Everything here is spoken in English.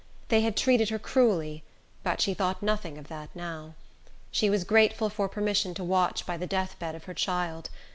They had treated her cruelly, but she thought nothing of that now. She was grateful for permission to watch by the death bed of her child.